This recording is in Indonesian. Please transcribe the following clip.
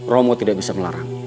romo tidak bisa melarang